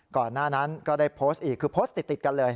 ก่อนหน้านั้นก็ได้โพสต์อีกคือโพสต์ติดกันเลย